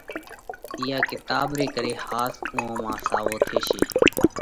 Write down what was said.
اِيئا ڪِتاٻ ري ڪري ۿاس اُوئون مانه ساوَو ٿيشي۔